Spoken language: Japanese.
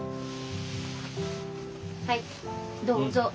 はいどうぞ。